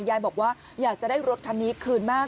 ยายบอกว่าอยากจะได้รถคันนี้คืนมาก